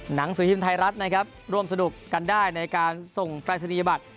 หนังสือพิมพ์ไทยรัฐนะครับร่วมสนุกกันได้ในการส่งปรายศนียบัตร